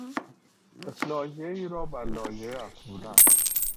اصلاحیهای را بر لایحه افزودن